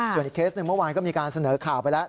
ส่วนอีกเคสหนึ่งเมื่อวานก็มีการเสนอข่าวไปแล้ว